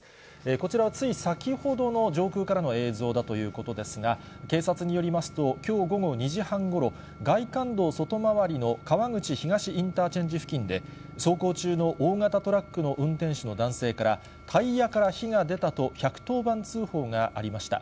こちらはつい先ほどの上空からの映像だということですが、警察によりますと、きょう午後２時半ごろ、外環道外回りの川口東インターチェンジ付近で、走行中の大型トラックの運転手の男性からタイヤから火が出たと、１１０番通報がありました。